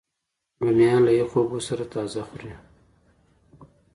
رومیان له یخو اوبو سره تازه خوري